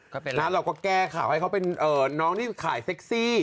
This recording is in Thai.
ก็เป็นแล้วเราก็แก้ข่าวให้เขาเป็นน้องที่ถ่ายเซ็กซี่